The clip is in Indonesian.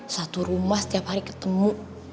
satu rumah setiap hari ketemu